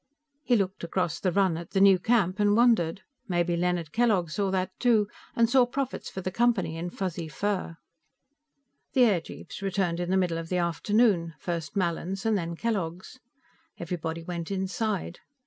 He looked across the run at the new camp and wondered. Maybe Leonard Kellogg saw that, too, and saw profits for the Company in Fuzzy fur. The airjeeps returned in the middle of the afternoon, first Mallin's, and then Kellogg's. Everybody went inside.